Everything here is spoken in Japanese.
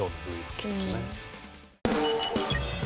きっとね。